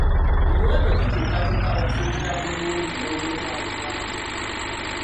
Emiwendo gikyukakyuka okusinziira ku bungi n'obwetaavu bwagyo.